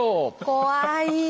怖い。